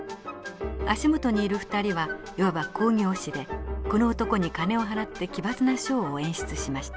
足元にいる２人はいわば興業師でこの男に金を払って奇抜なショーを演出しました。